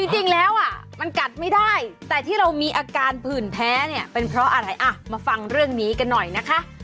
จริงแล้วมันกัดไม่ได้แต่ที่เรามีอาการผื่นแพ้เนี่ยเป็นเพราะอะไรอ่ะมาฟังเรื่องนี้กันหน่อยนะคะ